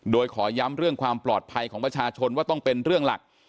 โดยขอย้ำเรื่องความปลอดภัยของประชาชนว่าต้องเป็นเรื่องหลัก